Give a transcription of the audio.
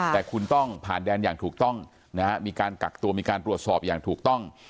แต่คุณต้องผ่านแดนอย่างถูกต้องนะฮะมีการกักตัวมีการตรวจสอบอย่างถูกต้อง